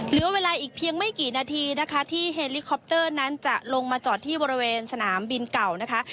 เหลือเวลาอีกเพียงไม่กี่นาทีนะคะที่เฮลิคอปเตอร์นั้นจะลงมาจอดที่บริเวณสนามบินเก่านะคะ